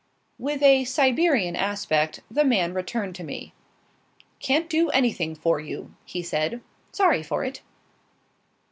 With a Siberian aspect, the man returned to me. "Can't do any thing for you," he said. "Sorry for it."